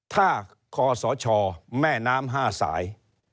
ถ้าคอสชแม่น้ำห้าสาย